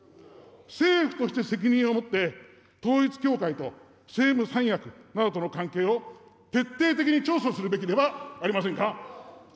政府として責任を持って統一教会と政務三役などとの関係を、徹底的に調査するべきではありませんか。